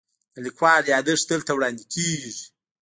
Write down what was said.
د لیکوال یادښت دلته وړاندې کیږي.